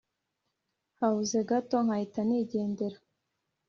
Habuze gato nkahita nigendera